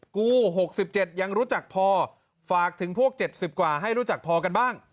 กู้หกสิบเจ็ดยังรู้จักพอฝากถึงพวกเจ็ดสิบกว่าให้รู้จักพอกันบ้าง